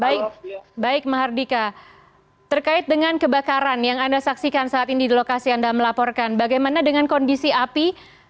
baik baik mahardika terkait dengan kebakaran yang anda saksikan saat ini di lokasi anda melaporkan bagaimana dengan kondisi api